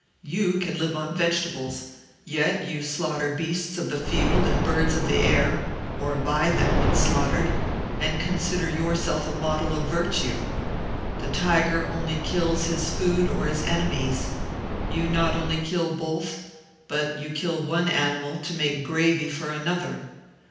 You can live on vegetables; yet you slaughter beasts of the field and birds of the air (or buy them when slaughtered), and consider yourself a model of virtue. The tiger only kills his food or his enemies; you not only kill both, but you kill one animal to make gravy for another!